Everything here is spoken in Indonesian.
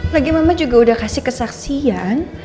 lagian mbak juga udah kasih kesaksian